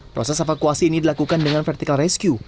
proses evakuasi ini dilakukan dengan vertical rescue